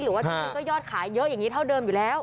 หรือว่าถึงยอดขายเยอะอย่างนี้เท่าเดิมอยู่แล้ว